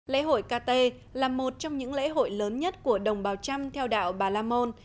lễ hội kt là một trong những lễ hội lớn nhất của đồng bào trăm theo đạo bà la môn